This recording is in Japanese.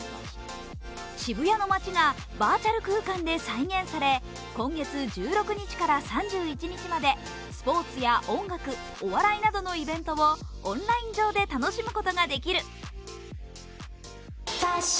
渋谷の街がバーチャル空間で再現され今月１６日から３１日までスポーツや音楽、お笑いなどのイベントをオンライン上で楽しむことができる。